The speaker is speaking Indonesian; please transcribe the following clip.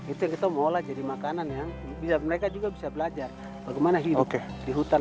itu yang kita mau olah jadi makanan yang mereka juga bisa belajar bagaimana hidup di hutan